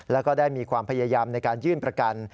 แล้วก็ได้มีความพยายามในการยื่นประกัน